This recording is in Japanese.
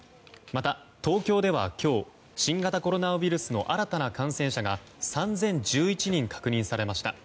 また、東京では今日新型コロナウイルスの新たな感染者が３０１１人確認されました。